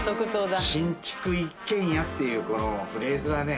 「新築一軒家」っていうこのフレーズはね